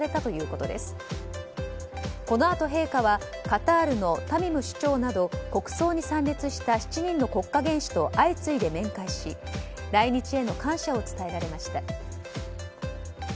このあと、陛下はカタールのタミム首長など国葬に参列した７人の国家元首と相次いで面会し来日への感謝を伝えられました。